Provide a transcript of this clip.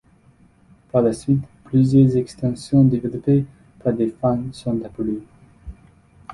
Par la suite, plusieurs extensions développées par des fans sont apparues.